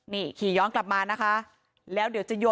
นี่ขี่ย้อนกลับมานะคะแล้วเดี๋ยวจะโยน